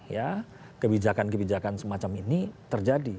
ya kebijakan kebijakan semacam ini terjadi